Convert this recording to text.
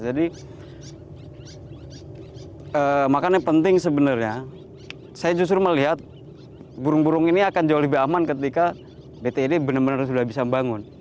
jadi makanya penting sebenarnya saya justru melihat burung burung ini akan jauh lebih aman ketika bti ini benar benar sudah bisa membangun